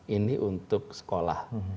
ini untuk sekolah